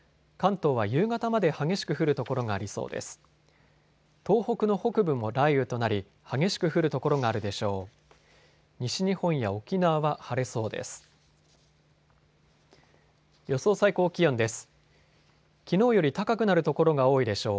東北の北部も雷雨となり、激しく降る所があるでしょう。